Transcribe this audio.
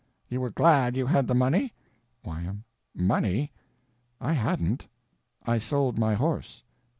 You were glad you had the money? Y.M. Money? I hadn't. I sold my horse.